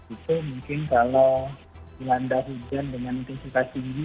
itu mungkin kalau di landa hujan dengan intensitas tinggi